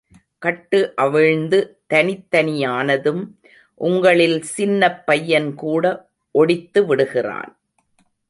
கட்டு அவிழ்ந்து தனித்தனியானதும் உங்களில் சின்னப் பையன்கூட ஒடித்துவிடுகிறான்.